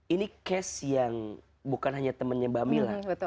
ini kes yang bukan teman mbak mila